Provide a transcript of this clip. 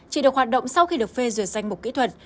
chỉ được hoạt động sau khi được phê duyệt danh mục kỹ thuật